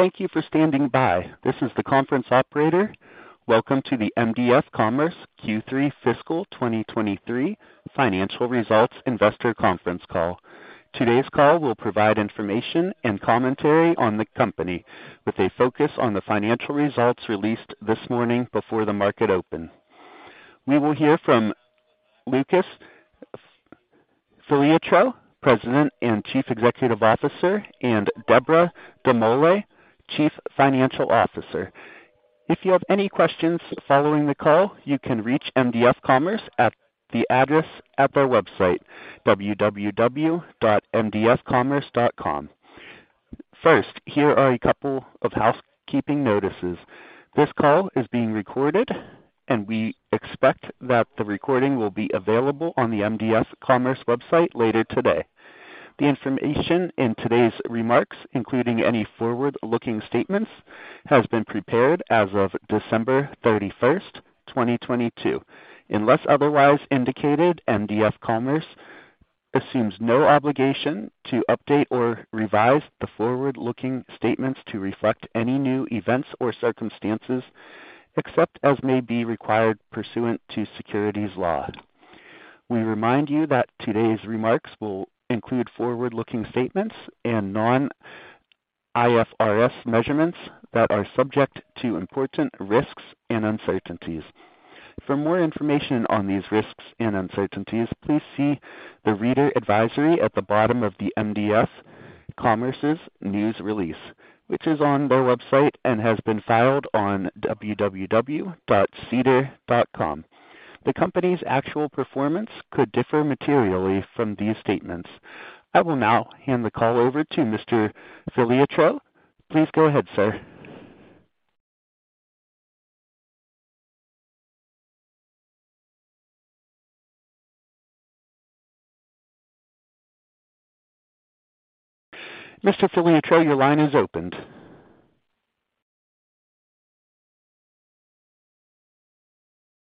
Thank you for standing by. This is the conference operator. Welcome to the mdf commerce Q3 Fiscal 2023 financial results investor conference call. Today's call will provide information and commentary on the company with a focus on the financial results released this morning before the market open. We will hear from Luc Filiatreault, President and Chief Executive Officer, and Deborah Dumoulin, Chief Financial Officer. If you have any questions following the call, you can reach mdf commerce at the address at their website, mdfcommerce.com. First, here are a couple of housekeeping notices. This call is being recorded, and we expect that the recording will be available on the mdf commerce website later today. The information in today's remarks, including any forward-looking statements, has been prepared as of December 31, 2022. Unless otherwise indicated, mdf commerce assumes no obligation to update or revise the forward-looking statements to reflect any new events or circumstances except as may be required pursuant to securities law. We remind you that today's remarks will include Forward-Looking statements and non-IFRS measurements that are subject to important risks and uncertainties. For more information on these risks and uncertainties, please see the reader advisory at the bottom of the mdf commerce's news release, which is on their website and has been filed on www.sedar.com. The company's actual performance could differ materially from these statements. I will now hand the call over to Mr. Filiatreault. Please go ahead, sir. Mr. Filiatreault, your line is opened.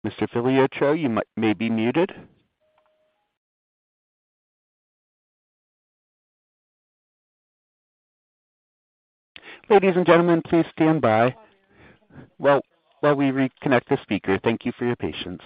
Mr. Filiatreault, you may be muted. Ladies and gentlemen, please stand by. While we reconnect the speaker, thank you for your patience.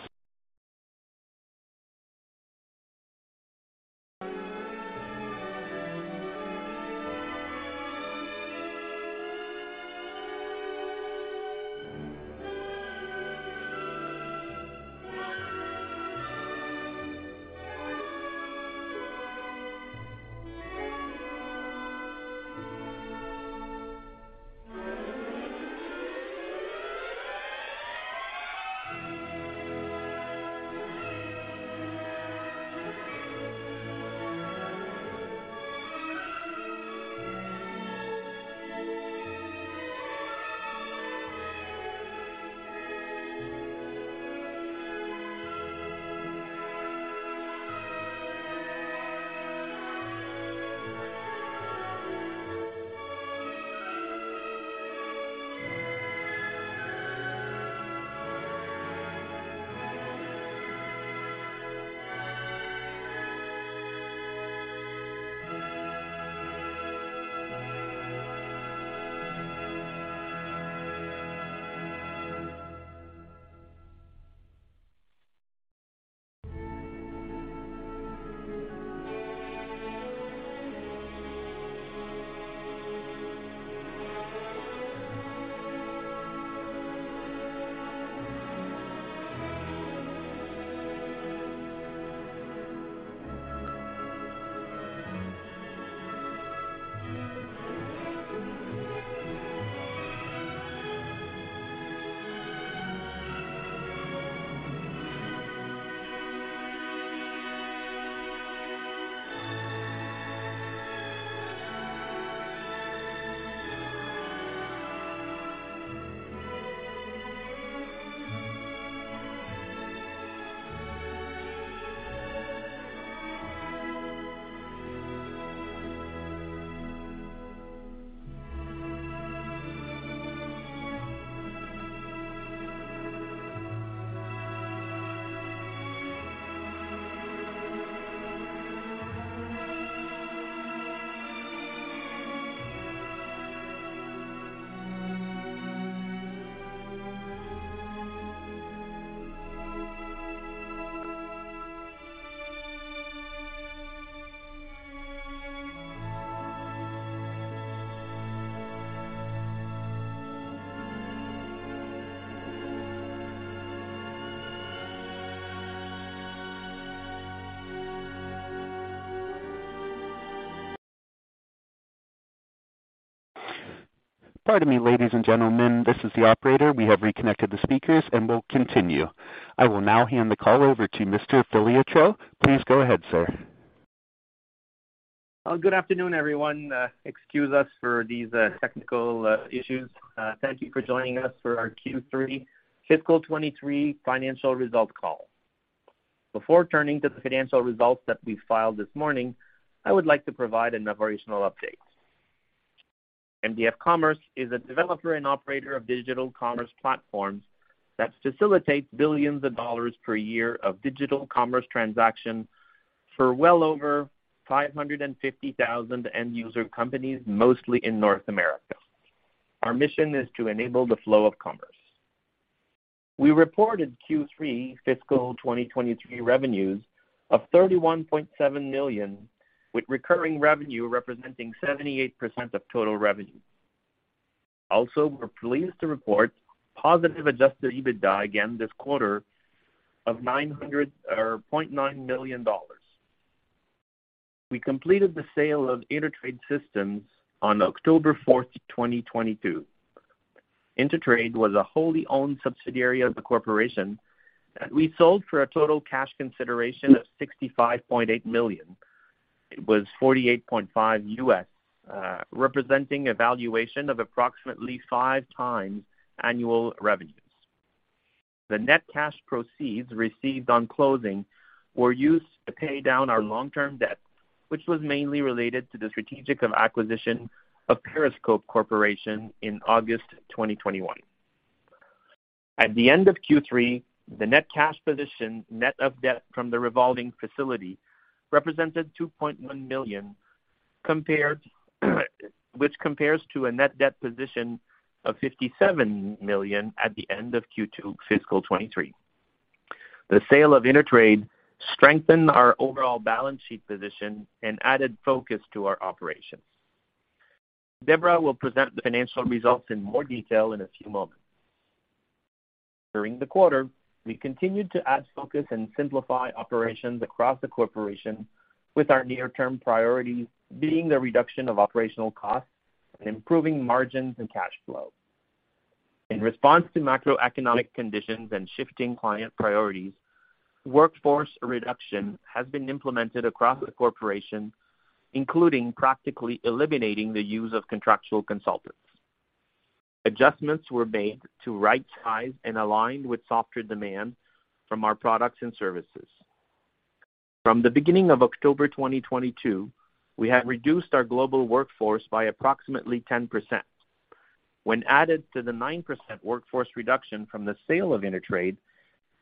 Pardon me, ladies and gentlemen, this is the operator. We have reconnected the speakers. We'll continue. I will now hand the call over to Mr. Filiatreault. Please go ahead, sir. Well, good afternoon, everyone. Excuse us for these technical issues. Thank you for joining us for our Q3 fiscal 2023 financial results call. Before turning to the financial results that we filed this morning, I would like to provide an operational update. mdf commerce is a developer and operator of digital commerce platforms that facilitate billions of dollars per year of digital commerce transactions, for well over 550,000 end user companies, mostly in North America. Our mission is to enable the flow of commerce. We reported Q3 fiscal 2023 revenues of 31.7 million, with recurring revenue representing 78% of total revenue. We're pleased to report positive adjusted EBITDA again this 1/4 of 0.9 million dollars. We completed the sale of InterTrade Systems on October 4, 2022. InterTrade was a wholly owned subsidiary of the corporation that we sold for a total cash consideration of 65.8 million. It was $48.5 million, representing a valuation of approximately 5 times annual revenues. The net cash proceeds received on closing were used to pay down our long-term debt, which was mainly related to the strategic acquisition of Periscope Corporation in August 2021. At the end of Q3, the net cash position, net of debt from the revolving facility represented 2.1 million Which compares to a net debt position of 57 million at the end of Q2 fiscal 2023. The sale of InterTrade strengthened our overall balance sheet position and added focus to our operations. Deborah will present the financial results in more detail in a few moments. During the 1/4, we continued to add focus and simplify operations across the corporation, with our near-term priorities being the reduction of operational costs and improving margins and cash flow. In response to macroeconomic conditions and shifting client priorities, workforce reduction has been implemented across the corporation, including practically eliminating the use of contractual consultants. Adjustments were made to right-size and align with softer demand from our products and services. From the beginning of October 2022, we have reduced our global workforce by approximately 10%. When added to the 9% workforce reduction from the sale of InterTrade,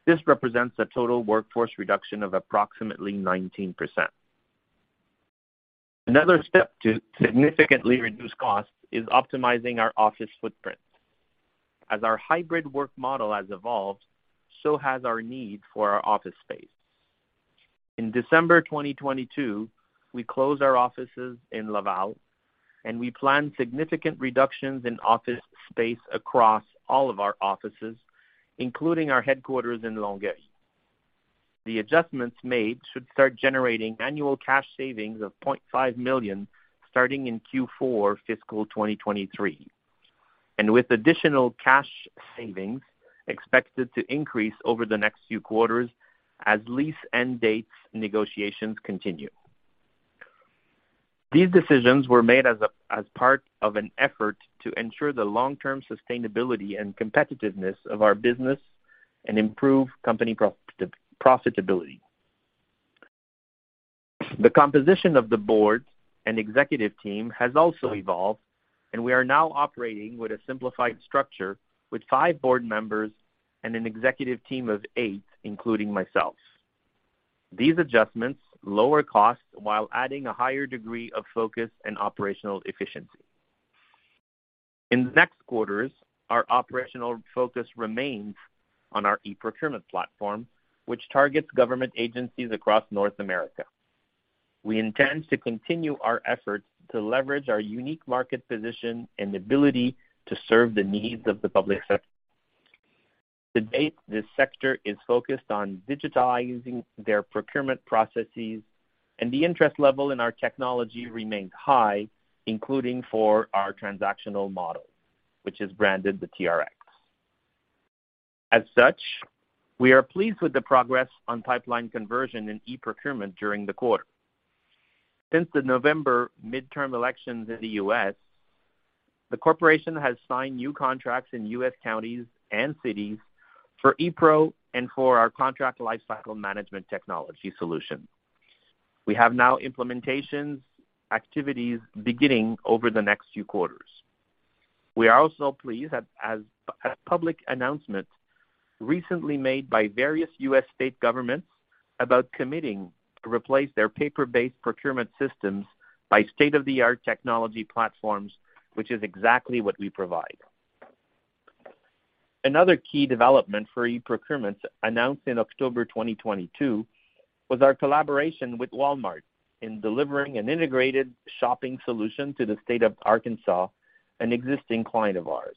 this represents a total workforce reduction of approximately 19%. Another step to significantly reduce costs is optimizing our office footprint. As our hybrid work model has evolved, so has our need for our office space. In December 2022, we closed our offices in Laval. We plan significant reductions in office space across all of our offices, including our head1/4s in Longueuil. The adjustments made should start generating annual cash savings of 0.5 million starting in Q4 fiscal 2023. With additional cash savings expected to increase over the next few 1/4s as lease end dates negotiations continue. These decisions were made as part of an effort to ensure the Long-Term sustainability and competitiveness of our business and improve company profitability. The composition of the board and executive team has also evolved. We are now operating with a simplified structure with 5 board members and an executive team of 8, including myself. These adjustments lower costs while adding a higher degree of focus and operational efficiency. In the next 1/4s, our operational focus remains on our eProcurement platform, which targets government agencies across North America. We intend to continue our efforts to leverage our unique market position and ability to serve the needs of the public sector. To date, this sector is focused on digitizing their procurement processes, and the interest level in our technology remains high, including for our transactional model, which is branded the TRX. As such, we are pleased with the progress on pipeline conversion in eProcurement during the 1/4. Since the November midterm elections in the U.S., the corporation has signed new contracts in U.S. counties and cities for ePro and for our contract lifecycle management technology solution. We have now implementations activities beginning over the next few 1/4s. We are also pleased at public announcements recently made by various U.S. state governments about committing to replace their paper-based procurement systems by state-of-the-art technology platforms, which is exactly what we provide. Another key development for eProcurement announced in October 2022 was our collaboration with Walmart in delivering an integrated shopping solution to the state of Arkansas, an existing client of ours.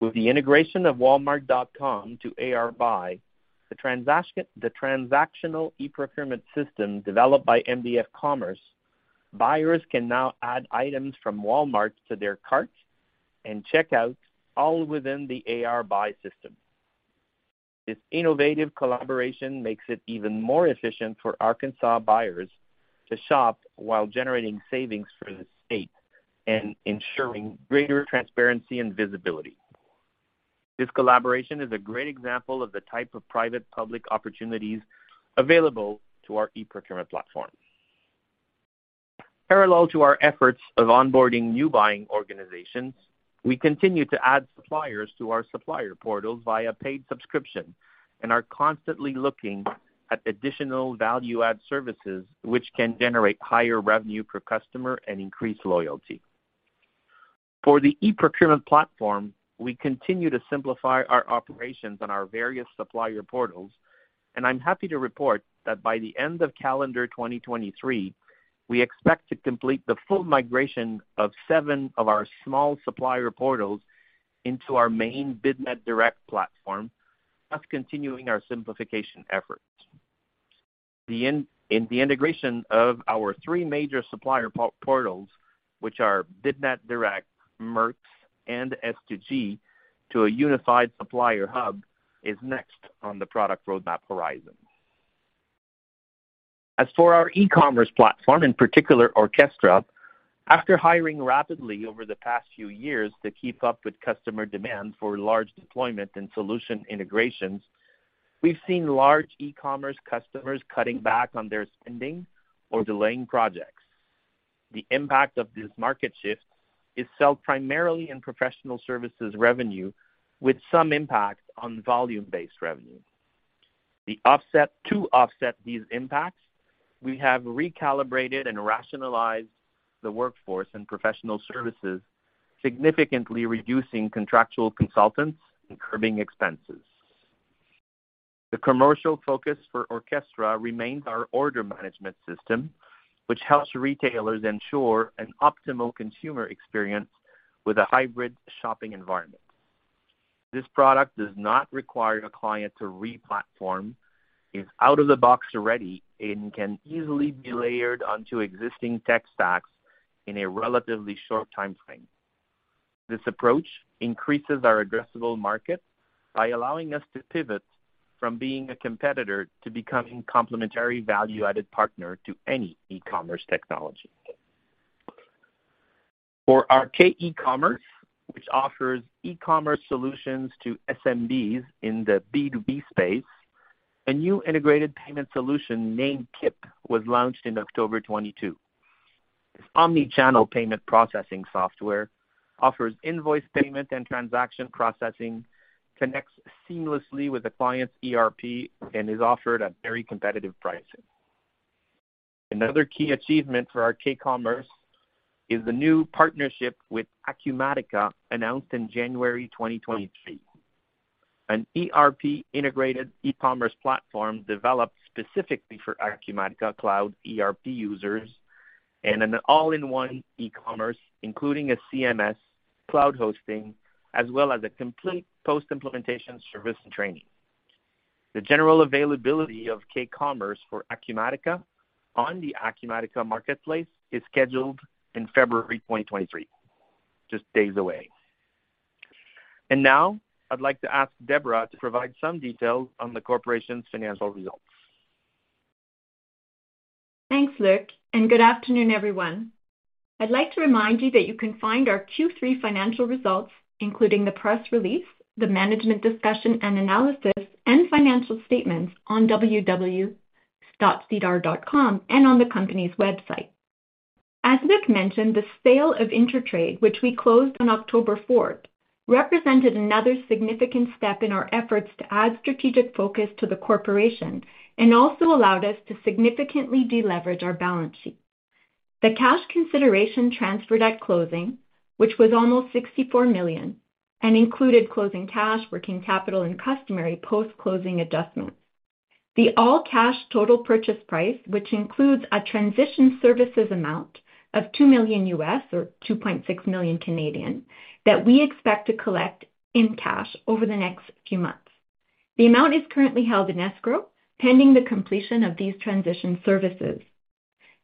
With the integration of walmart.com to AR Buy, the transactional eProcurement system developed by mdf commerce, buyers can now add items from Walmart to their cart and check out all within the AR Buy system. This innovative collaboration makes it even more efficient for Arkansas buyers to shop while generating savings for the state and ensuring greater transparency and visibility. This collaboration is a great example of the type of private-public opportunities available to our eProcurement platform. Parallel to our efforts of onboarding new buying organizations, we continue to add suppliers to our supplier portals via paid subscription and are constantly looking at additional value-add services which can generate higher revenue per customer and increase loyalty. For the eProcurement platform, we continue to simplify our operations on our various supplier portals, and I'm happy to report that by the end of calendar 2023, we expect to complete the full migration of seven of our small supplier portals into our main BidNet Direct platform, thus continuing our simplification efforts. The integration of our 3 major supplier portals, which are BidNet Direct, MERX, and S2G to a unified supplier hub, is next on the product roadmap horizon. For our e-commerce platform, in particular, Orckestra, after hiring rapidly over the past few years to keep up with customer demand for large deployment and solution integrations, we've seen large e-commerce customers cutting back on their spending or delaying projects. The impact of this market shift is felt primarily in professional services revenue, with some impact on Volume-Based revenue. To offset these impacts, we have recalibrated and rationalized the workforce and professional services, significantly reducing contractual consultants and curbing expenses. The commercial focus for Orckestra remains our order management system, which helps retailers ensure an optimal consumer experience with a hybrid shopping environment. This product does not require a client to re-platform, is out of the box ready, and can easily be layered onto existing tech stacks in a relatively short timeframe. This approach increases our addressable market by allowing us to pivot from being a competitor to becoming complementary value-added partner to any e-commerce technology. For our k-ecommerce, which offers e-commerce solutions to SMBs in the B2B space, a new integrated payment solution named KIP was launched in October 2022. This omni-channel payment processing software offers invoice payment and transaction processing, connects seamlessly with the client's ERP, and is offered at very competitive pricing. Another key achievement for our k-ecommerce is the new partnership with Acumatica, announced in January 2023. An ERP-integrated e-commerce platform developed specifically for Acumatica cloud ERP users and an all-in-one e-commerce, including a CMS, cloud hosting, as well as a complete post-implementation service and training. The general availability of k-ecommerce for Acumatica on the Acumatica Marketplace is scheduled in February 2023, just days away. Now I'd like to ask Debra to provide some details on the corporation's financial results. Thanks, Luc. Good afternoon, everyone. I'd like to remind you that you can find our Q3 financial results, including the press release, the management discussion and analysis, and financial statements on www.sedar.com and on the company's website. As Luc mentioned, the sale of InterTrade, which we closed on October 4th, represented another significant step in our efforts to add strategic focus to the corporation and also allowed us to significantly deleverage our balance sheet. The cash consideration transferred at closing, which was almost 64 million and included closing cash, working capital, and customary post-closing adjustments. The all-cash total purchase price, which includes a transition services amount of $2 million or 2.6 million that we expect to collect in cash over the next few months. The amount is currently held in escrow, pending the completion of these transition services.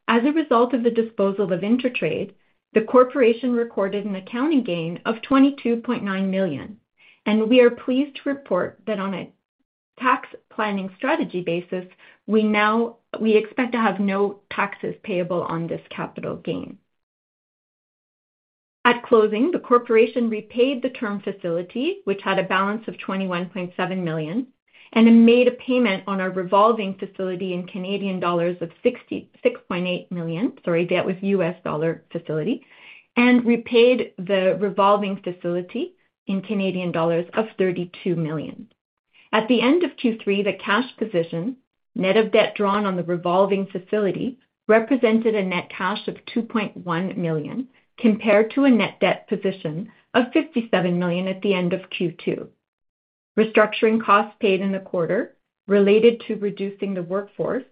As a result of the disposal of InterTrade, the corporation recorded an accounting gain of 22.9 million. We are pleased to report that on a tax planning strategy basis, we expect to have no taxes payable on this capital gain. At closing, the corporation repaid the term facility, which had a balance of 21.7 million. It made a payment on our revolving facility, sorry, that was US dollar facility, of $66.8 million, repaid the revolving facility in Canadian dollars of 32 million. At the end of Q3, the cash position, net of debt drawn on the revolving facility, represented a net cash of 2.1 million, compared to a net debt position of 57 million at the end of Q2. Restructuring costs paid in the 1/4 related to reducing the workforce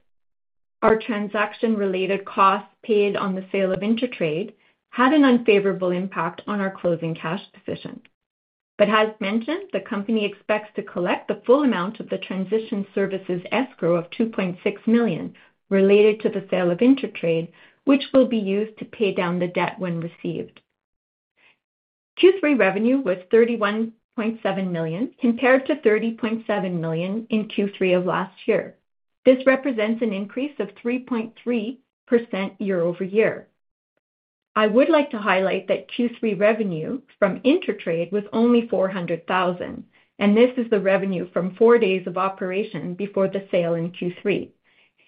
are transaction-related costs paid on the sale of InterTrade had an unfavorable impact on our closing cash position. As mentioned, the company expects to collect the full amount of the transition services escrow of 2.6 million related to the sale of InterTrade, which will be used to pay down the debt when received. Q3 revenue was 31.7 million, compared to 30.7 million in Q3 of last year. This represents an increase of 3.3% year-over-year. I would like to highlight that Q3 revenue from InterTrade was only 400,000, and this is the revenue from 4 days of operation before the sale in Q3.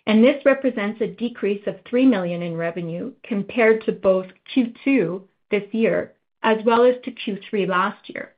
This represents a decrease of 3 million in revenue compared to both Q2 this year as well as to Q3 last year.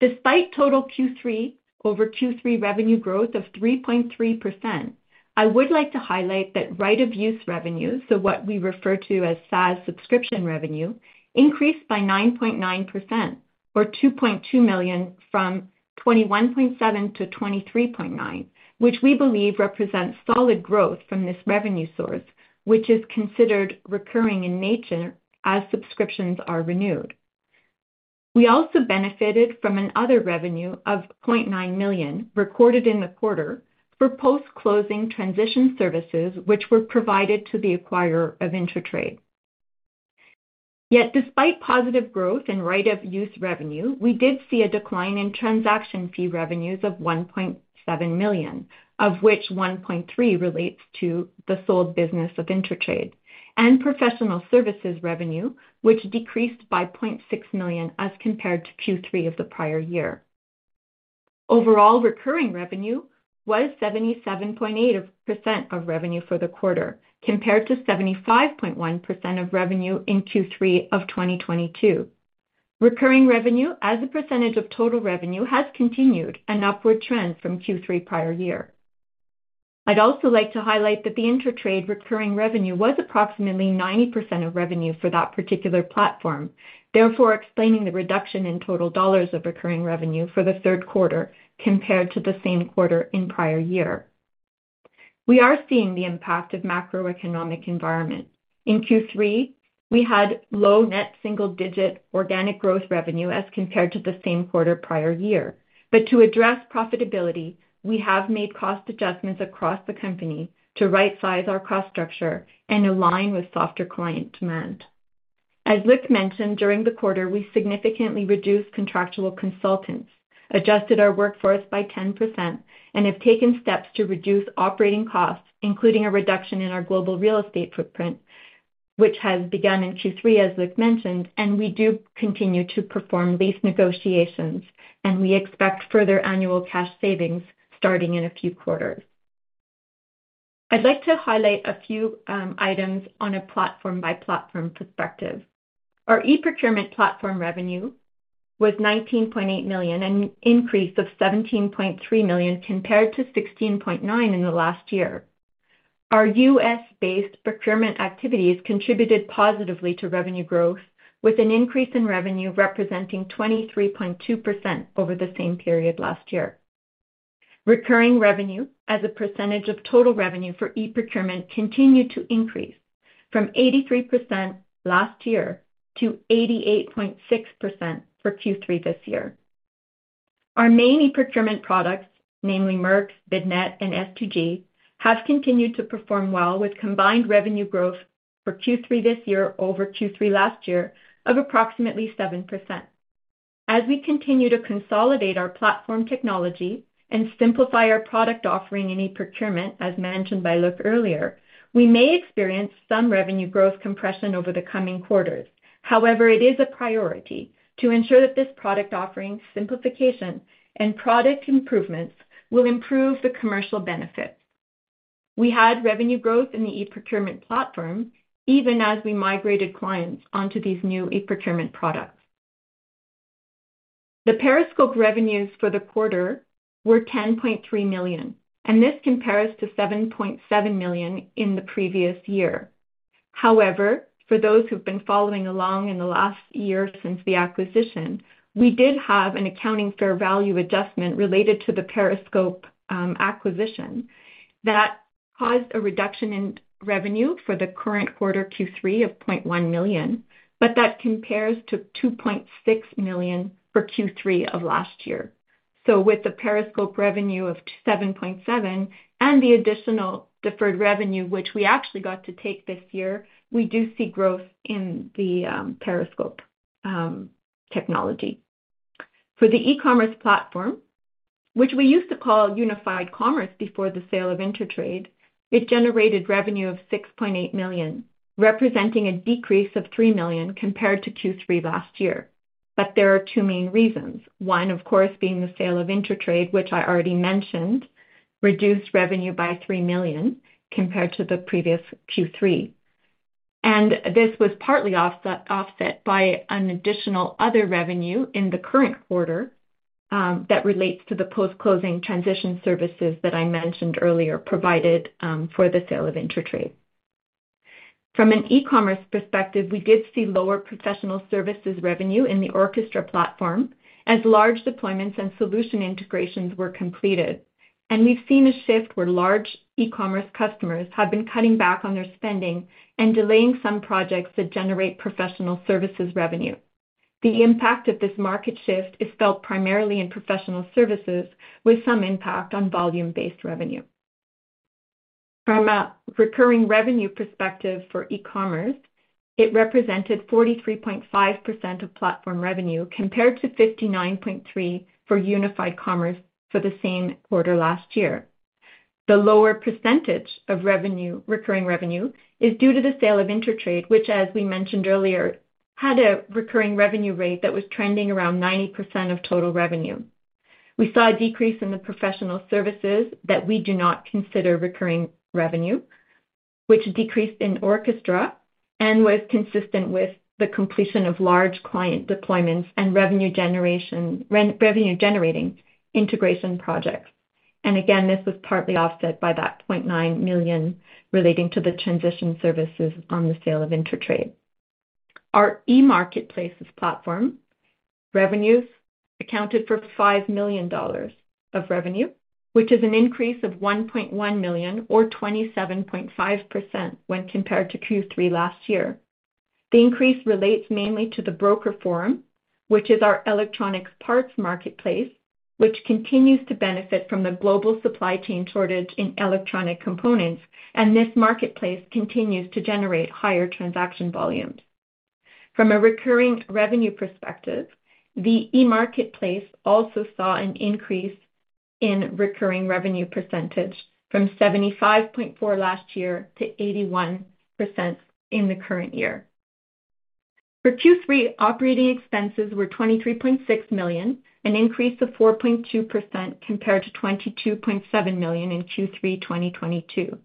Despite total Q3-over-Q3 revenue growth of 3.3%, I would like to highlight that right-of-use revenue, so what we refer to as SaaS subscription revenue, increased by 9.9% or 2.2 million from 21.7 million to 23.9 million, which we believe represents solid growth from this revenue source, which is considered recurring in nature as subscriptions are renewed. We also benefited from an other revenue of 0.9 million recorded in the 1/4 for post-closing transition services which were provided to the acquirer of InterTrade. Despite positive growth in right-of-use revenue, we did see a decline in transaction fee revenues of 1.7 million, of which 1.3 million relates to the sold business of InterTrade and professional services revenue, which decreased by 0.6 million as compared to Q3 of the prior year. Overall recurring revenue was 77.8% of revenue for the 1/4 compared to 75.1% of revenue in Q3 of 2022. Recurring revenue as a percentage of total revenue has continued an upward trend from Q3 prior year. I'd also like to highlight that the InterTrade recurring revenue was approximately 90% of revenue for that particular platform, therefore explaining the reduction in total dollars of recurring revenue for the third 1/4 compared to the same 1/4 in prior year. We are seeing the impact of macroeconomic environment. In Q3, we had low net single digit organic growth revenue as compared to the same 1/4 prior year. To address profitability, we have made cost adjustments across the company to right-size our cost structure and align with softer client demand. As Luc mentioned, during the 1/4, we significantly reduced contractual consultants, adjusted our workforce by 10%, and have taken steps to reduce operating costs, including a reduction in our global real estate footprint, which has begun in Q3, as Luc mentioned, and we do continue to perform lease negotiations, and we expect further annual cash savings starting in a few 1/4s. I'd like to highlight a few items on a platform by platform perspective. Our E-procurement platform revenue was 19.8 million, an increase of 17.3 million compared to 16.9 million in the last year. Our US-based procurement activities contributed positively to revenue growth with an increase in revenue representing 23.2% over the same period last year. Recurring revenue as a percentage of total revenue for eProcurement continued to increase from 83% last year to 88.6% for Q3 this year. Our main eProcurement products, namely MERX, BidNet, and S2G, have continued to perform well with combined revenue growth for Q3 this year over Q3 last year of approximately 7%. As we continue to consolidate our platform technology and simplify our product offering in eProcurement, as mentioned by Luc earlier, we may experience some revenue growth compression over the coming 1/4s. It is a priority to ensure that this product offering simplification and product improvements will improve the commercial benefits. We had revenue growth in the eProcurement platform even as we migrated clients onto these new eProcurement products. The Periscope revenues for the 1/4 were 10.3 million, and this compares to 7.7 million in the previous year. For those who've been following along in the last year since the acquisition, we did have an accounting fair value adjustment related to the Periscope acquisition that caused a reduction in revenue for the current 1/4 Q3 of 0.1 million. That compares to 2.6 million for Q3 of last year. With the Periscope revenue of 7.7 million and the additional deferred revenue, which we actually got to take this year, we do see growth in the Periscope technology. For the e-commerce platform, which we used to call Unified Commerce before the sale of InterTrade, it generated revenue of 6.8 million, representing a decrease of 3 million compared to Q3 last year. There are 2 main reasons. One, of course, being the sale of InterTrade, which I already mentioned, reduced revenue by 3 million compared to the previous Q3. This was partly offset by an additional other revenue in the current 1/4 that relates to the post-closing transition services that I mentioned earlier, provided for the sale of InterTrade. From an E-commerce perspective, we did see lower professional services revenue in the Orckestra platform as large deployments and solution integrations were completed. We've seen a shift where large e-commerce customers have been cutting back on their spending and delaying some projects that generate professional services revenue. The impact of this market shift is felt primarily in professional services with some impact on volume-based revenue. From a recurring revenue perspective for e-commerce, it represented 43.5% of platform revenue compared to 59.3% for Unified Commerce for the same 1/4 last year. The lower percentage of revenue, recurring revenue is due to the sale of InterTrade, which as we mentioned earlier, had a recurring revenue rate that was trending around 90% of total revenue. We saw a decrease in the professional services that we do not consider recurring revenue, which decreased in Orckestra and was consistent with the completion of large client deployments and revenue generation, re-revenue generating integration projects. Again, this was partly offset by that $0.9 million relating to the transition services on the sale of InterTrade. Our emarketplace's platform revenues accounted for $5 million of revenue, which is an increase of $1.1 million or 27.5% when compared to Q3 last year. The increase relates mainly to The Broker Forum, which is our electronic parts marketplace, which continues to benefit from the global supply chain shortage in electronic components. This marketplace continues to generate higher transaction volumes. From a recurring revenue perspective, the emarketplace also saw an increase in recurring revenue percentage from 75.4% last year to 81% in the current year. For Q3, operating expenses were 23.6 million, an increase of 4.2% compared to 22.7 million in Q3 2022.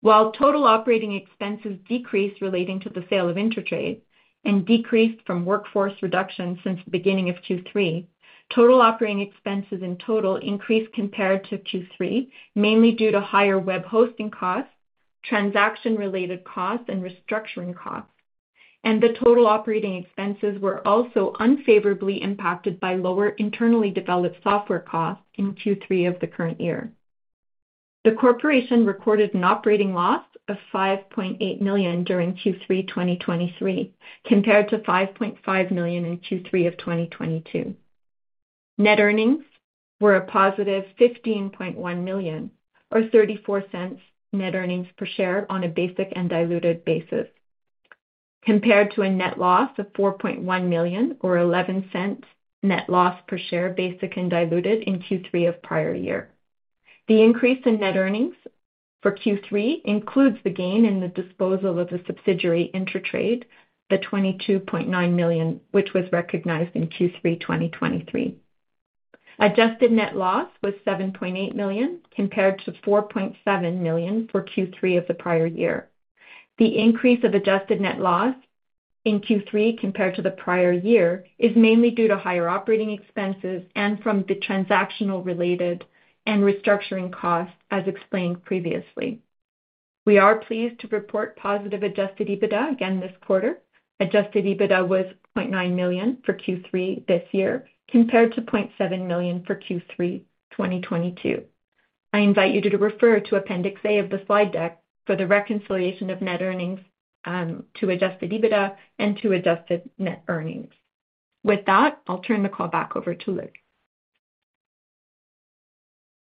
While total operating expenses decreased relating to the sale of InterTrade and decreased from workforce reductions since the beginning of Q3, total operating expenses in total increased compared to Q3, mainly due to higher web hosting costs, transaction-related costs and restructuring costs. The total operating expenses were also unfavorably impacted by lower internally developed software costs in Q3 of the current year. The corporation recorded an operating loss of 5.8 million during Q3 2023, compared to 5.5 million in Q3 2022. Net earnings were a positive 15.1 million or 0.34 net earnings per share on a basic and diluted basis, compared to a net loss of 4.1 million or 0.11 net loss per share, basic and diluted in Q3 of the prior year. The increase in net earnings for Q3 includes the gain in the disposal of the subsidiary InterTrade, the 22.9 million, which was recognized in Q3 2023. Adjusted net loss was 7.8 million, compared to 4.7 million for Q3 of the prior year. The increase of adjusted net loss in Q3 compared to the prior year is mainly due to higher operating expenses and from the transactional related and restructuring costs as explained previously. We are pleased to report positive adjusted EBITDA again this 1/4. Adjusted EBITDA was 0.9 million for Q3 this year, compared to 0.7 million for Q3, 2022. I invite you to refer to Appendix A of the Slide deck for the reconciliation of net earnings to adjusted EBITDA and to adjusted net earnings. With that, I'll turn the call back over to Luc.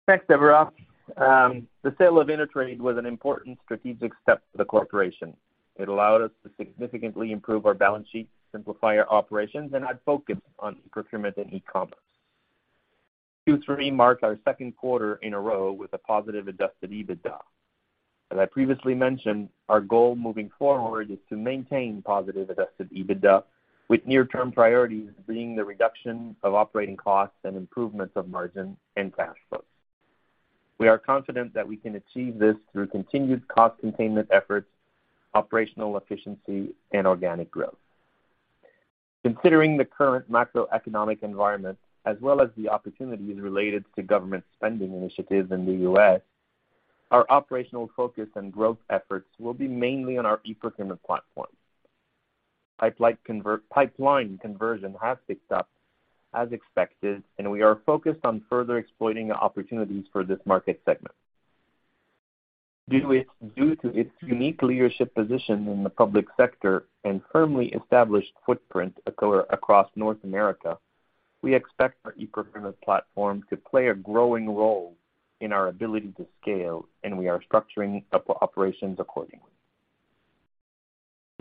Thanks, Deborah. The sale of InterTrade was an important strategic step for the corporation. It allowed us to significantly improve our balance sheet, simplify our operations, and add focus on eProcurement and e-commerce. Q3 marks our second 1/4 in a row with a positive adjusted EBITDA. As I previously mentioned, our goal moving forward is to maintain positive adjusted EBITDA, with near-term priorities being the reduction of operating costs and improvements of margin and cash flows. We are confident that we can achieve this through continued cost containment efforts, operational efficiency, and organic growth. Considering the current macroeconomic environment, as well as the opportunities related to government spending initiatives in the U.S., our operational focus and growth efforts will be mainly on our eProcurement platform. Pipeline conversion has picked up as expected, and we are focused on further exploiting opportunities for this market segment. Due to its unique leadership position in the public sector and firmly established footprint across North America, we expect our eProcurement platform to play a growing role in our ability to scale, and we are structuring operations accordingly.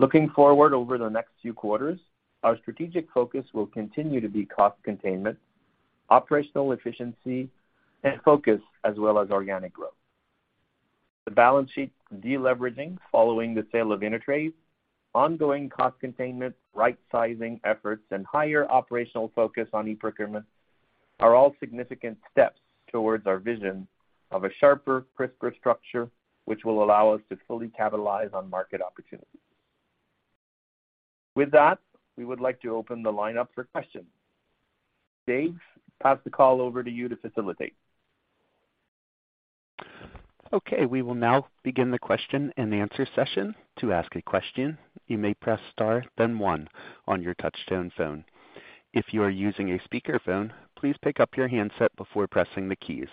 Looking forward over the next few 1/4s, our strategic focus will continue to be cost containment, operational efficiency, and focus as well as organic growth. The balance sheet de-leveraging following the sale of InterTrade, ongoing cost containment, right sizing efforts, and higher operational focus on eProcurement are all significant steps towards our vision of a sharper, crisper structure, which will allow us to fully capitalize on market opportunities. With that, we would like to open the line up for questions. Dave, pass the call over to you to facilitate. Okay. We will now begin the question and answer session. To ask a question, you may press star, then one on your touch-tone phone. If you are using a speakerphone, please pick up your handset before pressing the keys.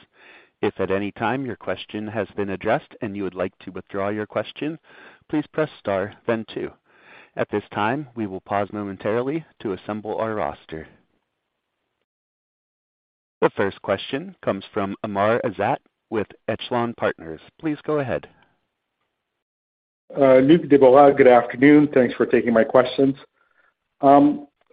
If at any time your question has been addressed and you would like to withdraw your question, please press star, then 2. At this time, we will pause momentarily to assemble our roster. The first question comes from Amr Ezzat with Echelon Capital Markets. Please go ahead. Luc Filiatreault, Deborah Dumoulin, good afternoon. Thanks for taking my questions.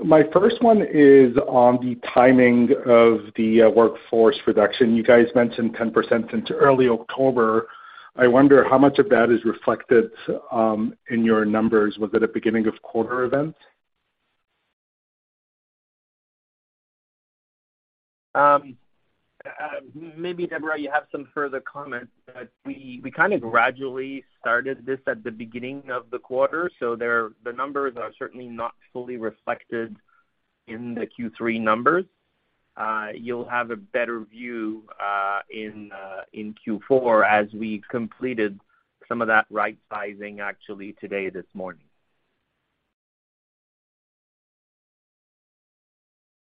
My first one is on the timing of the workforce reduction. You guys mentioned 10% since early October. I wonder how much of that is reflected in your numbers. Was it a beginning of 1/4 event? Maybe Debra, you have some further comments, but we kinda gradually started this at the beginning of the 1/4, so the numbers are certainly not fully reflected in the Q3 numbers. You'll have a better view in Q4 as we completed some of that right sizing actually today, this morning.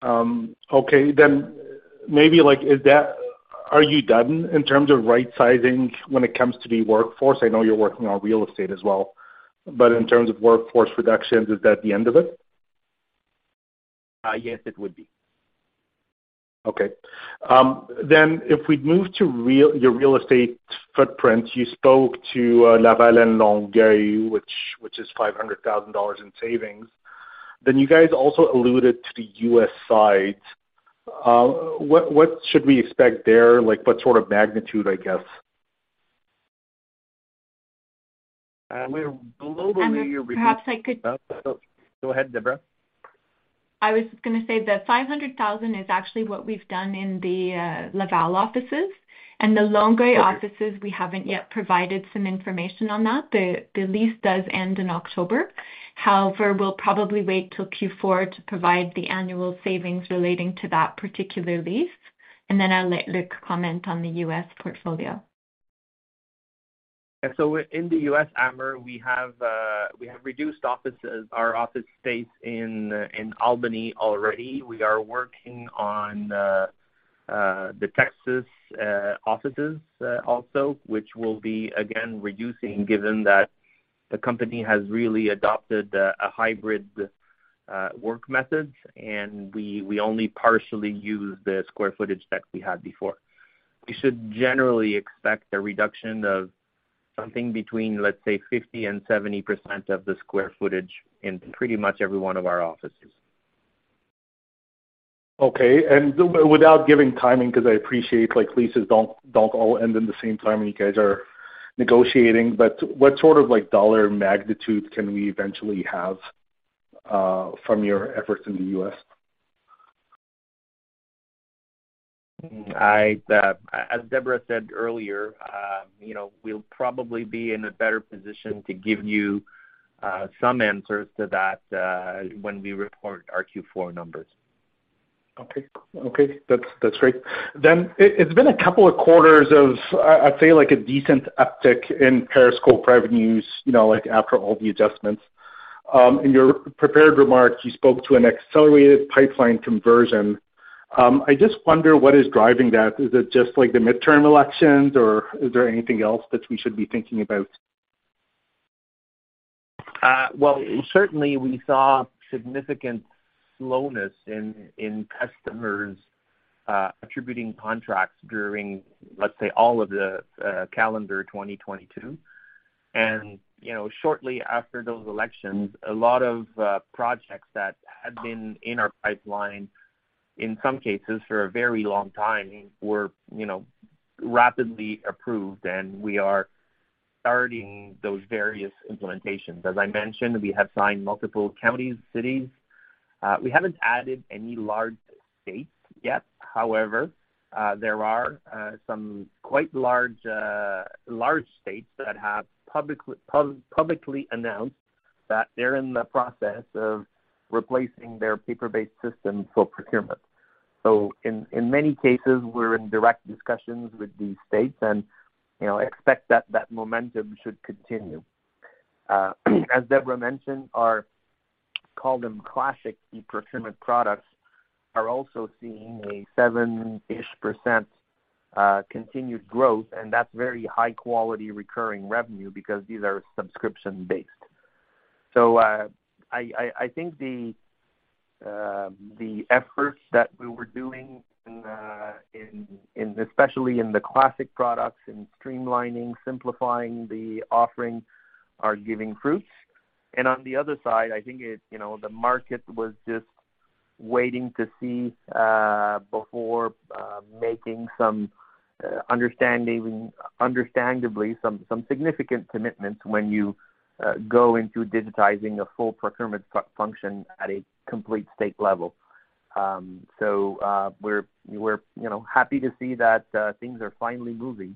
Okay. Maybe like Are you done in terms of right sizing when it comes to the workforce? I know you're working on real estate as well, but in terms of workforce reductions, is that the end of it? Yes, it would be. Okay. If we move to your real estate footprint, you spoke to Laval and Longueuil, which is 500,000 dollars in savings. You guys also alluded to the U.S. side. What should we expect there? Like, what sort of magnitude, I guess? We're globally. And perhaps I could- Go ahead, Debra. I was gonna say the 500,000 is actually what we've done in the Laval offices. In the Longueuil offices. Okay. We haven't yet provided some information on that. The lease does end in October. However, we'll probably wait till Q4 to provide the annual savings relating to that particular lease. I'll let Luc comment on the US portfolio. In the U.S., Amr, we have reduced offices, our office space in Albany already. We are working on the Texas offices also, which will be again reducing given that the company has really adopted a hybrid work method, and we only partially use the square footage that we had before. We should generally expect a reduction of something between, let's say, 50% and 70% of the square footage in pretty much every one of our offices. Okay. Without giving timing, 'cause I appreciate like leases don't all end at the same time when you guys are negotiating. But what sort of like dollar magnitude can we eventually have from your efforts in the US? I, as Debra said earlier, you know, we'll probably be in a better position to give you some answers to that when we report our Q4 numbers. Okay. Okay. That's, that's great. It, it's been a couple of 1/4s of, I'd say like a decent uptick in Periscope revenues, you know, like after all the adjustments. In your prepared remarks, you spoke to an accelerated pipeline conversion. I just wonder what is driving that. Is it just like the midterm elections, or is there anything else that we should be thinking about? Well, certainly we saw significant slowness in customers, attributing contracts during, let's say, all of the, calendar 2022. You know, shortly after those elections, a lot of, projects that had been in our pipeline, in some cases for a very long time, were, you know, rapidly approved and we are starting those various implementations. As I mentioned, we have signed multiple counties, cities. We haven't added any large states yet. However, there are, some quite large states that have publicly announced that they're in the process of replacing their paper-based system for procurement. In, in many cases, we're in direct discussions with these states and, you know, expect that that momentum should continue. As Debra mentioned, our call them classic eProcurement products are also seeing a 7-ish% continued growth, and that's very high quality recurring revenue because these are subscription-based. I think the efforts that we were doing in especially in the classic products in streamlining, simplifying the offering are giving fruits. On the other side, I think it's, you know, the market was just waiting to see before making some understanding, understandably some significant commitments when you go into digitizing a full procurement function at a complete state level. We're, you know, happy to see that things are finally moving.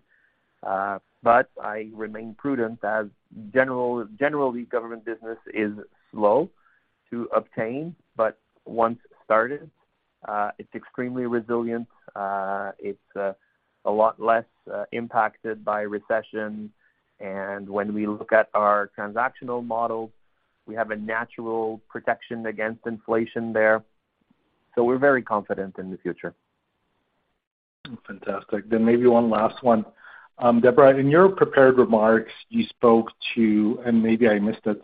I remain prudent as generally government business is slow to obtain. Once started, it's extremely resilient. It's a lot less impacted by recession. When we look at our transactional model, we have a natural protection against inflation there. We're very confident in the future. Fantastic. Maybe one last one. Debra, in your prepared remarks, you spoke to, and maybe I missed it,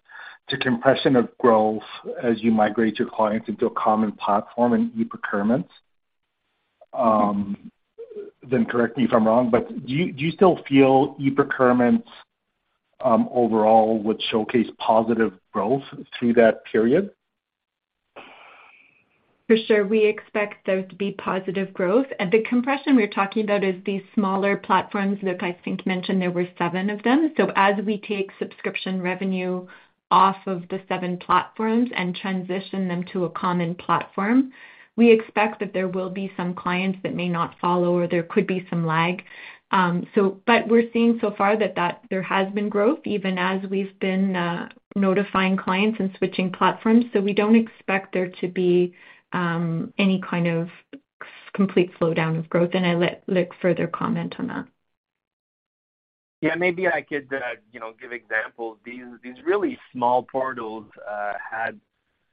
to compression of growth as you migrate your clients into a common platform in eProcurement. Correct me if I'm wrong, but do you still feel eProcurement overall would showcase positive growth through that period? For sure. We expect there to be positive growth. The compression we're talking about is these smaller platforms. Luc, I think, mentioned there were seven of them. As we take subscription revenue off of the seven platforms and transition them to a common platform, we expect that there will be some clients that may not follow or there could be some lag. We're seeing so far that there has been growth even as we've been notifying clients and switching platforms. We don't expect there to be any kind of complete slowdown of growth. I'll let Luc further comment on that. Yeah, maybe I could, you know, give examples. These really small portals had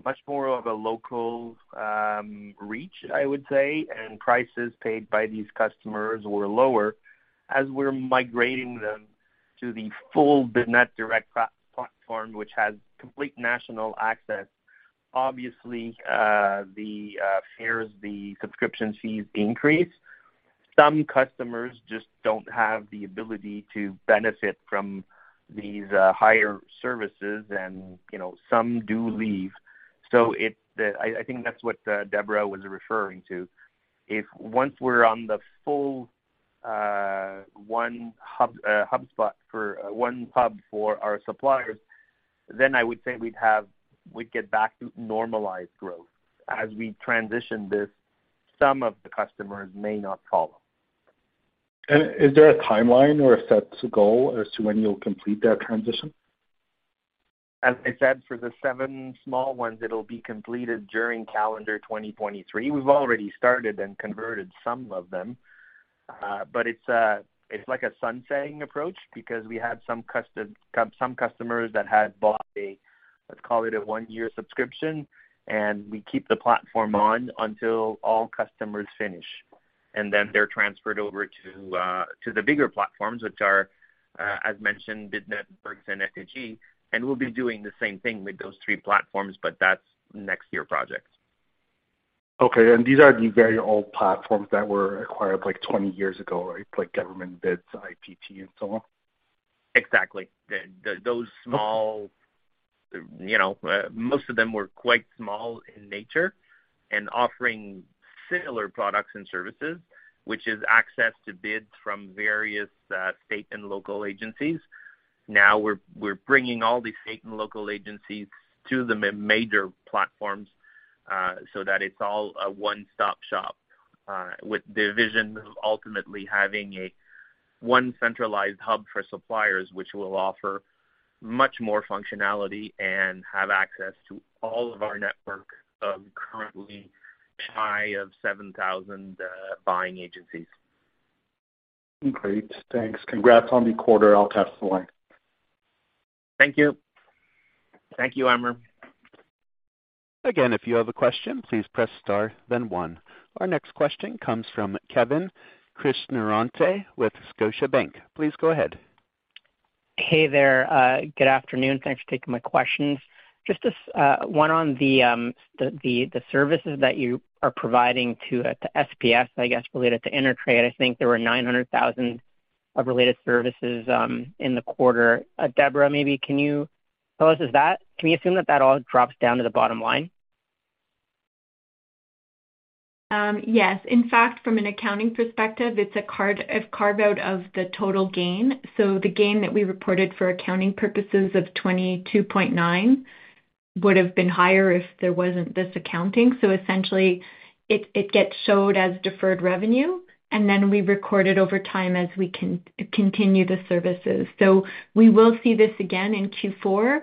much more of a local reach, I would say, and prices paid by these customers were lower. As we're migrating them to the full Bidnet Direct platform, which has complete national access, obviously, the fares, the subscription fees increase. Some customers just don't have the ability to benefit from these higher services and, you know, some do leave. It's... I think that's what Debra was referring to. If once we're on the full one hub spot for one hub for our suppliers, then I would say we'd get back to normalized growth. As we transition this, some of the customers may not follow. Is there a timeline or a set goal as to when you'll complete that transition? As I said, for the 7 small ones, it'll be completed during calendar 2023. We've already started and converted some of them. But it's like a sunsetting approach because we have some custom-cum-some customers that have bought a, let's call it a 1-year subscription, and we keep the platform on until all customers finish, and then they're transferred over to the bigger platforms, which are, as mentioned, BidNet, MERX and FFG. We'll be doing the same thing with those 3 platforms, but that's next year project. Okay. These are the very old platforms that were acquired like 20 years ago, right? Like GovernmentBids IPT and so on. Exactly. You know, most of them were quite small in nature and offering similar products and services, which is access to bids from various state and local agencies. Now we're bringing all these state and local agencies to the major platforms, so that it's all a One-Stop shop, with the vision of ultimately having a one centralized hub for suppliers, which will offer much more functionality and have access to all of our ne2rk of currently high of 7,000 buying agencies. Great. Thanks. Congrats on the 1/4. I'll pass the line. Thank you. Thank you, Amr. If you have a question, please press Star then 1. Our next question comes from Kevin Krishnaratne with Scotiabank. Please go ahead. Hey there. Good afternoon. Thanks for taking my questions. Just one on the services that you are providing to SPS, I guess related to InterTrade. I think there were 900,000 of related services in the 1/4. Debra, maybe can you tell us, is that? Can we assume that that all drops down to the bottom line? Yes. In fact, from an accounting perspective, it's a Carve-Out of the total gain. The gain that we reported for accounting purposes of 22.9 would have been higher if there wasn't this accounting. Essentially it gets showed as deferred revenue, and then we record it over time as we continue the services. We will see this again in Q4,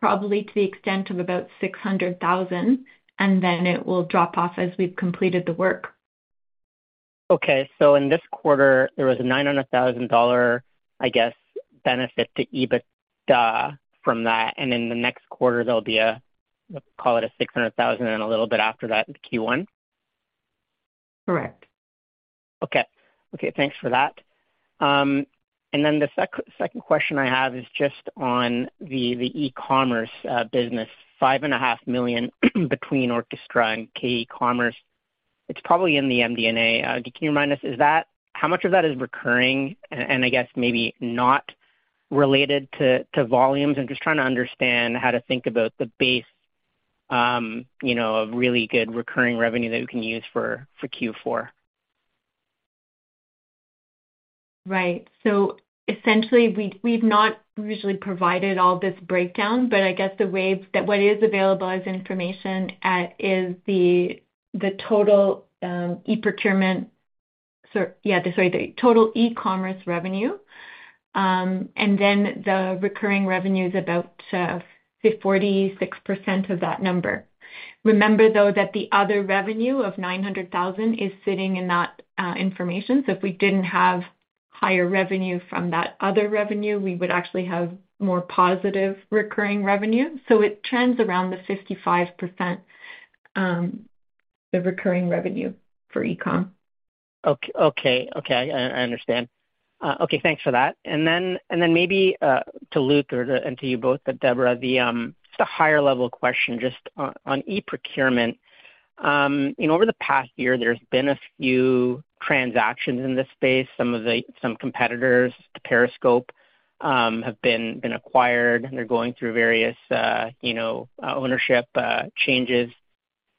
probably to the extent of about 600,000, and then it will drop off as we've completed the work. Okay. In this 1/4, there was a 900,000 dollar, I guess, benefit to EBITDA from that. In the next 1/4, there'll be a, let's call it a 600,000 and a little bit after that in Q1. Correct. Okay. Okay, thanks for that. The second question I have is just on the E-Commerce business, 5 and a 1/2 million between Orckestra and k-ecommerce. It's probably in the MD&A. Can you remind us, how much of that is recurring and, I guess, maybe not related to volumes? I'm just trying to understand how to think about the base, you know, of really good recurring revenue that we can use for Q4. We've not usually provided all this breakdown, but I guess the way what is available as information is the total e-commerce revenue, and then the recurring revenue is about 46% of that number. Remember, though, that the other revenue of 900,000 is sitting in that information. If we didn't have higher revenue from that other revenue, we would actually have more positive recurring revenue. It trends around the 55%, the recurring revenue for E-Com. Okay. Okay, I understand. Okay, thanks for that. Then maybe to Luc or to and to you both, but Deborah, the just a higher level question just on eProcurement. You know, over the past year, there's been a few transactions in this space. Some competitors to Periscope have been acquired, and they're going through various, you know, ownership changes.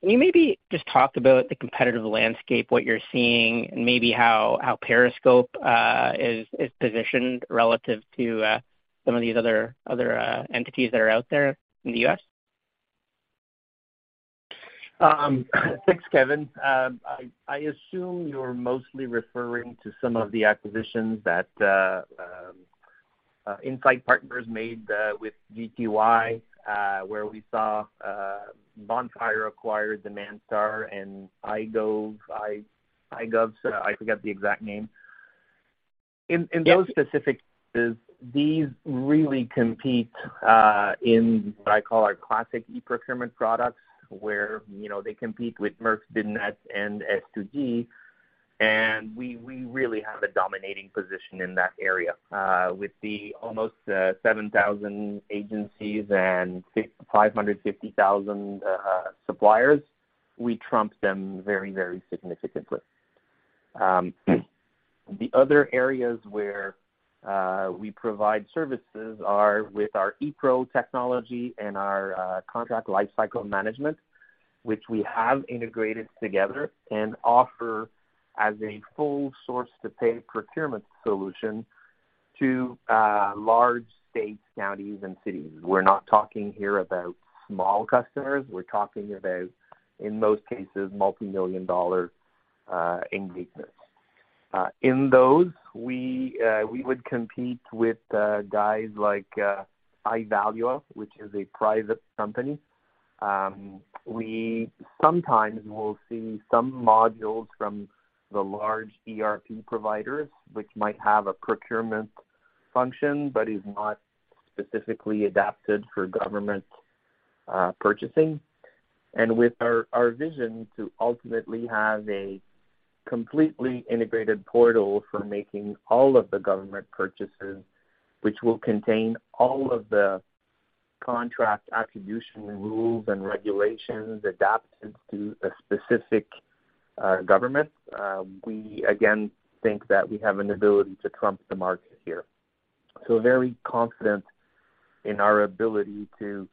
Can you maybe just talk about the competitive landscape, what you're seeing, and maybe how Periscope is positioned relative to some of these other entities that are out there in the U.S.? Thanks, Kevin. I assume you're mostly referring to some of the acquisitions that Insight Partners made with GTY, where we saw Bonfire acquire DemandStar and Ion Wave, I forget the exact name. Yeah. In those specific cases, these really compete in what I call our classic eProcurement products, where, you know, they compete with MERX Bidnet and S2G, and we really have a dominating position in that area. With the almost 7,000 agencies and 550,000 suppliers, we trump them very, very significantly. The other areas where we provide services are with our E-Pro technology and our contract lifecycle management, which we have integrated together and offer as a full Source-To-Pay procurement solution to large states, counties, and cities. We're not talking here about small customers. We're talking about, in most cases, multimillion-dollar engagements. In those, we would compete with guys like Ivalua, which is a private company. We sometimes will see some modules from the large ERP providers, which might have a procurement function but is not specifically adapted for government purchasing. With our vision to ultimately have a completely integrated portal for making all of the government purchases, which will contain all of the contract attribution rules and regulations adapted to a specific government, we again think that we have an ability to trump the market here. Very confident in our ability to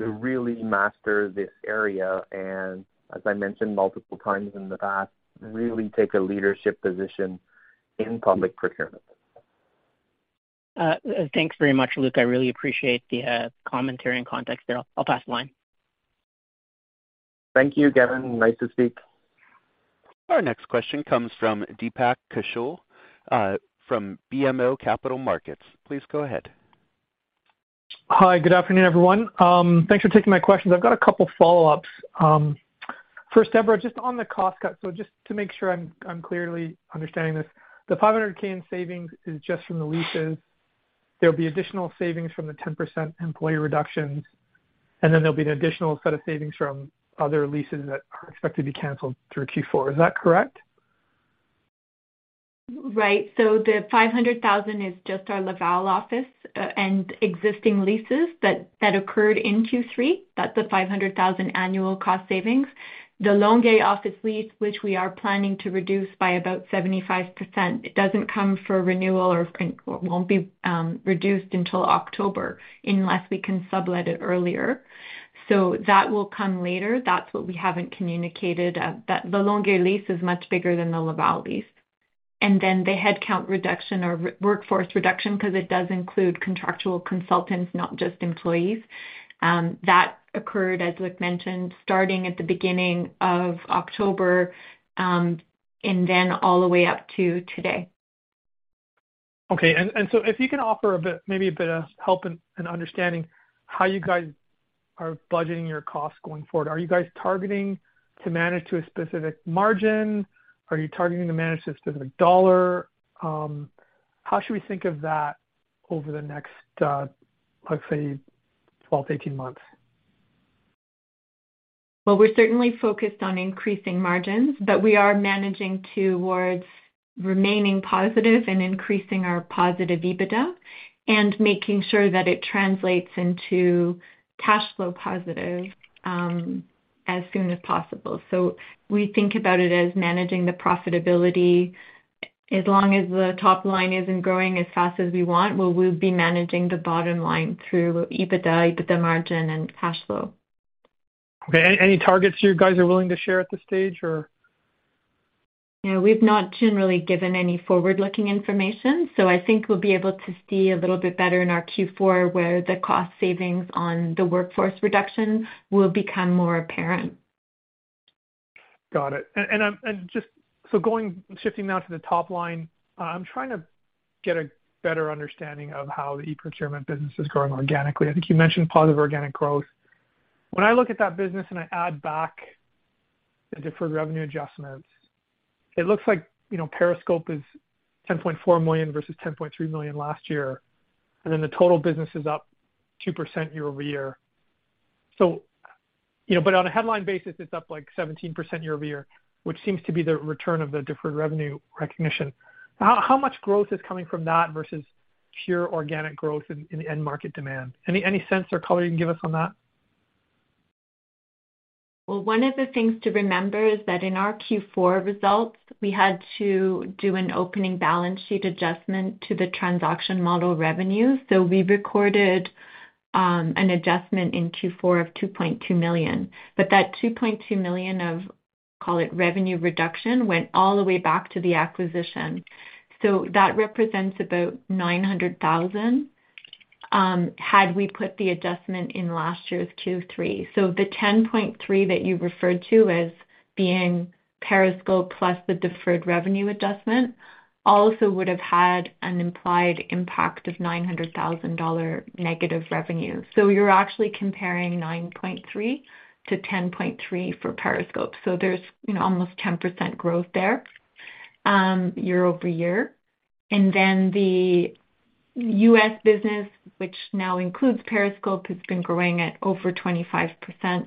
really master this area, and as I mentioned multiple times in the past, really take a leadership position in public procurement. Thanks very much, Luc. I really appreciate the commentary and context there. I'll pass the line. Thank you, Kevin. Nice to speak. Our next question comes from Deepak Kaushal, from BMO Capital Markets. Please go ahead. Hi. Good afternoon, everyone. Thanks for taking my questions. I've got a couple follow-ups. Debra, just on the cost cut, just to make sure I'm clearly understanding this. The 500K in savings is just from the leases. There'll be additional savings from the 10% employee reductions, and then there'll be an additional set of savings from other leases that are expected to be canceled through Q4. Is that correct? The 500,000 is just our Laval office, and existing leases that occurred in Q3. That's a 500,000 annual cost savings. The Longueuil office lease, which we are planning to reduce by about 75%, it doesn't come for renewal or well, won't be reduced until October unless we can sublet it earlier. That will come later. That's what we haven't communicated. The Longueuil lease is much bigger than the Laval lease. The headcount reduction or workforce reduction, 'cause it does include contractual consultants, not just employees, that occurred, as Luc mentioned, starting at the beginning of October, and then all the way up to today. Okay. If you can offer a bit of help and understanding how you guys are budgeting your costs going forward. Are you guys targeting to manage to a specific margin? Are you targeting to manage to a specific dollar? How should we think of that over the next, let's say 12 to 18 months? Well, we're certainly focused on increasing margins, but we are managing towards remaining positive and increasing our positive EBITDA and making sure that it translates into cash flow positive, as soon as possible. We think about it as managing the profitability. As long as the top line isn't growing as fast as we want, well, we'll be managing the bottom line through EBITDA margin, and cash flow. Okay. Any targets you guys are willing to share at this stage or? No. We've not generally given any forward-looking information, so I think we'll be able to see a little bit better in our Q4 where the cost savings on the workforce reduction will become more apparent. Got it. Shifting now to the top line, I'm trying to get a better understanding of how the eProcurement business is growing organically. I think you mentioned positive organic growth. When I look at that business and I add back the deferred revenue adjustments, it looks like, you know, Periscope is $10.4 million versus $10.3 million last year, the total business is up 2% Year-Over-Year. You know, on a headline basis, it's up like 17% Year-Over-Year, which seems to be the return of the deferred revenue recognition. How much growth is coming from that versus pure organic growth in end market demand? Any sense or color you can give us on that? Well, one of the things to remember is that in our Q4 results, we had to do an opening balance sheet adjustment to the transaction model revenue. We recorded an adjustment in Q4 of $2.2 million. But that $2.2 million of, call it revenue reduction, went all the way back to the acquisition. That represents about $900,000 had we put the adjustment in last year's Q3. The $10.3 that you referred to as being Periscope plus the deferred revenue adjustment also would have had an implied impact of $900,000 dollar negative revenue. You're actually comparing $9.3 to $10.3 for Periscope. There's, you know, almost 10% growth there year-over-year. The US business, which now includes Periscope, has been growing at over 25%.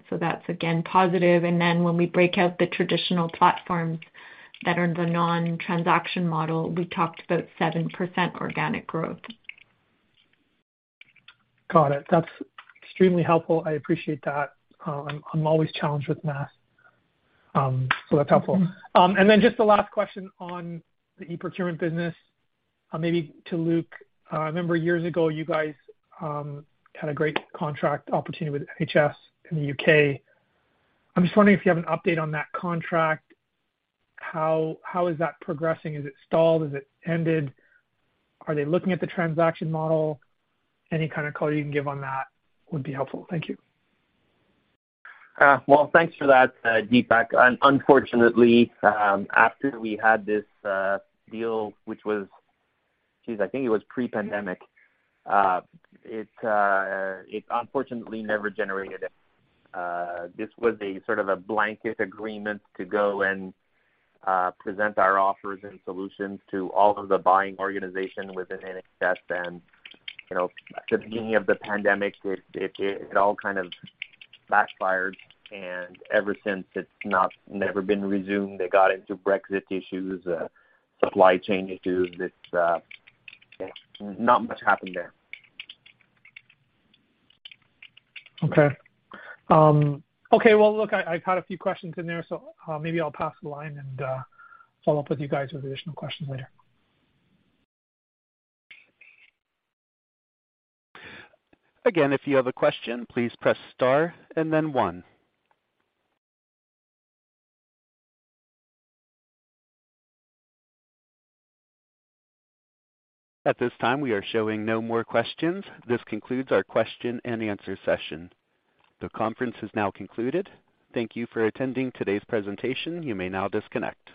That's again positive. When we break out the traditional platforms that are the non-transaction model, we talked about 7% organic growth. Got it. That's extremely helpful. I appreciate that. I'm always challenged with math. That's helpful. Just the last question on the e-procurement business, maybe to Luc. I remember years ago you guys had a great contract opportunity with NHS in the U.K. I'm just wondering if you have an update on that contract. How is that progressing? Is it stalled? Is it ended? Are they looking at the transaction model? Any kind of color you can give on that would be helpful. Thank you. Well, thanks for that, Deepak. Unfortunately, after we had this deal, which was... Geez, I think it was pre-pandemic. It unfortunately never generated. This was a sort of a blanket agreement to go and present our offers and solutions to all of the buying organization within NHS. You know, at the beginning of the pandemic, it all kind of backfired. Ever since, it's not never been resumed. They got into Brexit issues, supply chain issues. It's... Not much happened there. Okay. Okay. Well, look, I've had a few questions in there. Maybe I'll pass the line and follow up with you guys with additional questions later. Again, if you have a question, please press star and then one. At this time, we are showing no more questions. This concludes our question and answer session. The conference is now concluded. Thank you for attending today's presentation. You may now disconnect.